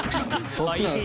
そっちなんですよ。